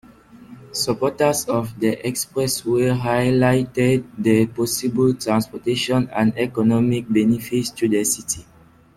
Supporters of the expressway highlighted the possible transportation and economic benefits to the city.